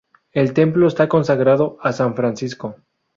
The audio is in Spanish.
El templo está consagrado a San Francisco.